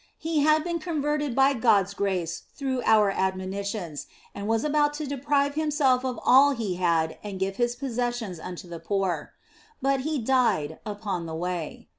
He had been converted by God s grace through our admonitions, and was about to deprive himself of all he had and give his possessions unto the poor. But he died upon the way.